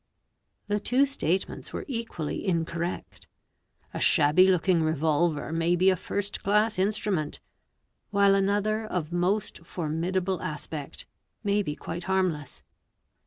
The two statements were equally incorrect ; a shabby looking revolver may be a first class instrument, while another of most formidable aspect may be q quite harmless.